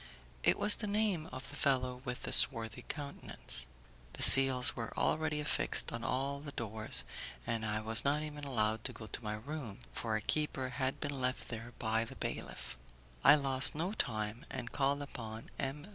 It was the name of the fellow with the swarthy countenance. The seals were already affixed on all the doors, and I was not even allowed to go to my room, for a keeper had been left there by the bailiff. I lost no time, and called upon M.